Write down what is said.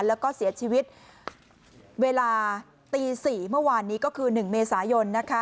แล้วก็เสียชีวิตเวลาตี๔เมื่อวานนี้ก็คือ๑เมษายน